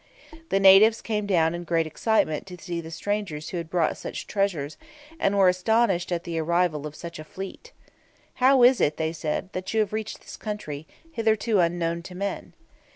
The natives came down in great excitement to see the strangers who had brought such treasures, and were astonished at the arrival of such a fleet. "How is it," they said, "that you have reached this country, hitherto unknown to men?